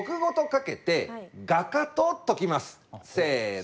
せの！